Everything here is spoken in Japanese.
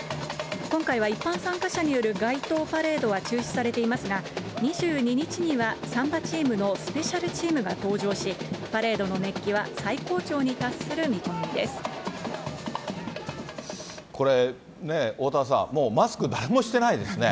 今回は一般参加者による街頭パレードは中止されていますが、２２日にはサンバチームのスペシャルチームが登場し、パレードのこれ、おおたわさん、もうマスク、誰もしてないですね。